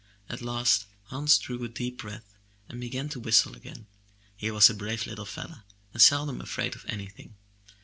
At last Hans drew a deep breath and began to whistle again; he was a brave little fellow and seldom afraid of anything.